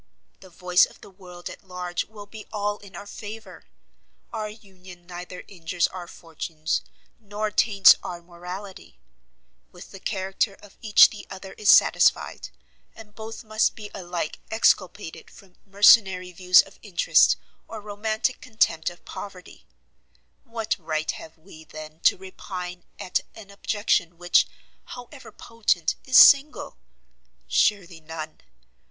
The voice of the world at large will be all in our favour. Our union neither injures our fortunes, nor taints our morality; with the character of each the other is satisfied, and both must be alike exculpated from mercenary views of interest, or romantic contempt of poverty; what right have we, then, to repine at an objection which, however potent, is single? Surely none.